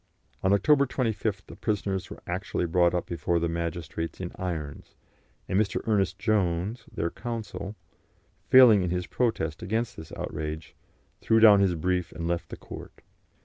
On October 25th the prisoners were actually brought up before the magistrates in irons, and Mr. Ernest Jones, their counsel, failing in his protest against this outrage, threw down his brief and left the court.